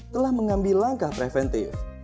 telah mengambil langkah preventif